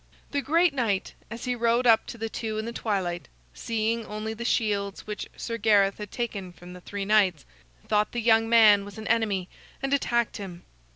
The great knight, as he rode up to the two in the twilight, seeing only the shields which Sir Gareth had taken from the three knights, thought the young man was an enemy, and attacked him.